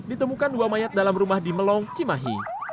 ditemukan dua mayat dalam rumah di melong cimahi